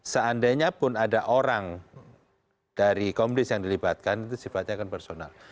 seandainya pun ada orang dari komdis yang dilibatkan itu sifatnya akan personal